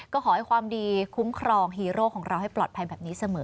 ก็ขอให้ความดีคุ้มครองฮีโร่ของเราให้ปลอดภัยแบบนี้เสมอ